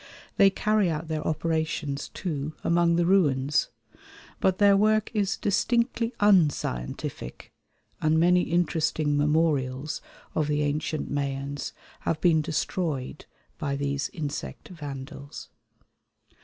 They carry out their operations, too, among the ruins; but their work is distinctly unscientific, and many interesting memorials of the ancient Mayans have been destroyed by these insect vandals.